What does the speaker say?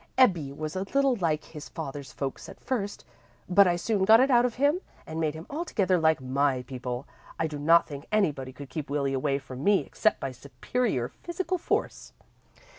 Ebbie was a little like his father's folks at first, but I soon got it out of him and made him altogether like my people. I do not think anybody could keep Willie away from me except by superior physical force.